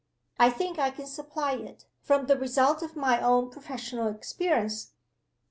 "I think I can supply it, from the result of my own professional experience.